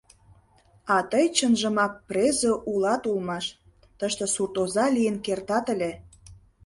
— А тый чынжымак презе улат улмаш, тыште суртоза лийын кертат ыле.